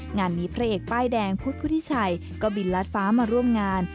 งานนี้พระเอกป้ายแดงพุทธพุทธิชัยก็บินลัดฟ้ามาร่วมงาน